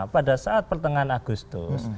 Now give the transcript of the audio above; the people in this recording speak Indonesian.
pada saat pertengahan agustus